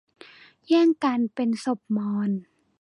แย่งกันเป็นศพมอญ